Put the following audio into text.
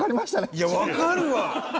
いや分かるわ！